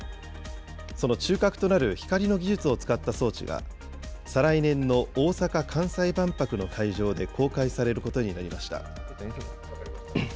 その中核となる光の技術を使った装置が、再来年の大阪・関西万博の会場で公開されることになりました。